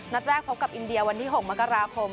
นัดแรกพบกับอินเดียวันที่๖มกราคม